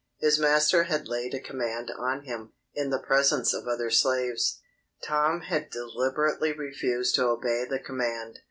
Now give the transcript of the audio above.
His master had laid a command on him, in the presence of other slaves. Tom had deliberately refused to obey the command.